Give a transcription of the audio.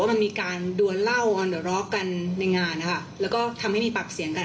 มันมีการดวนเหล้ากันเดี๋ยวร็อกกันในงานนะคะแล้วก็ทำให้มีปากเสียงกัน